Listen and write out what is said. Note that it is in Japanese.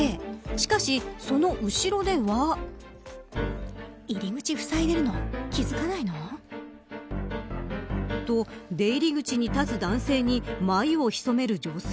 しかし、その後ろではと、出入り口に立つ男性に眉をひそめる女性。